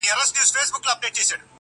تر غوږو مي ورته تاو كړل شخ برېتونه٫